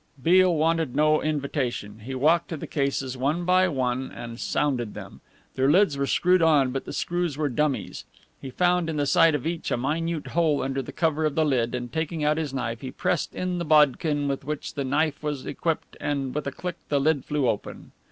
Beale wanted no invitation. He walked to the cases one by one and sounded them. Their lids were screwed on but the screws were dummies. He found in the side of each a minute hole under the cover of the lid and, taking out his knife, he pressed in the bodkin with which the knife was equipped and with a click the lid flew open.